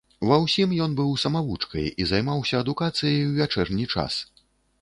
Ва ўсім ён быў самавучкай і займаўся адукацыяй у вячэрні час.